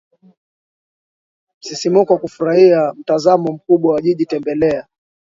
msisimko na kufurahia mtazamo mkubwa wa jiji Tembelea